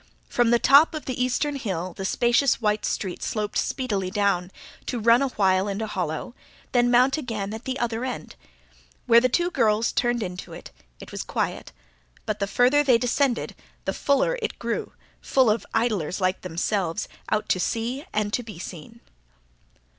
From the top of the eastern hill the spacious white street sloped speedily down, to run awhile in a hollow, then mount again at the other end. Where the two girls turned into it, it was quiet; but the farther they descended, the fuller it grew fuller of idlers like themselves, out to see and to be seen.